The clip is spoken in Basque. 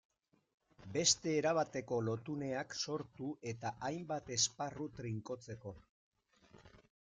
Beste erabateko lotuneak sortu eta hainbat esparru trinkotzeko.